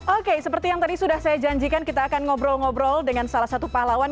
oke seperti yang tadi sudah saya janjikan kita akan ngobrol ngobrol dengan salah satu pahlawan